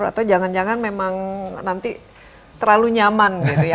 atau jangan jangan memang nanti terlalu nyaman gitu ya